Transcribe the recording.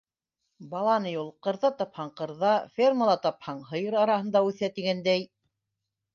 Бала ни ул, ҡырҙа тапһаң, ҡырҙа, фермала тапһаң, һыйыр араһында үҫә, тигәндәй...